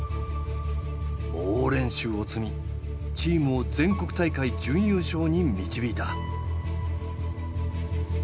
猛練習を積みチームを全国大会準優勝に導いた。